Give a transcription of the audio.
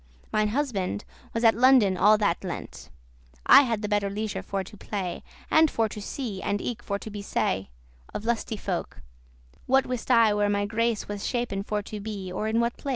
Mine husband was at London all that Lent; I had the better leisure for to play, And for to see, and eke for to be sey* *seen Of lusty folk; what wist I where my grace* *favour Was shapen for to be, or in what place?